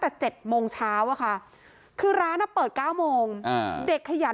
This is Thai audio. พ่อแม่มาเห็นสภาพศพของลูกร้องไห้กันครับขาดใจ